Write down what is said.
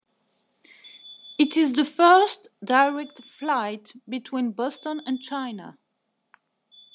It is the first direct flight between Boston and China.